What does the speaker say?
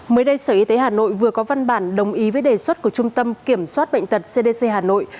mới đây sở y tế hà nội vừa có văn bản đồng ý với đề xuất của trung tâm kiểm soát bệnh tật cdc hà nội